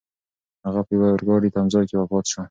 هغه په یوه اورګاډي تمځای کې وفات شو.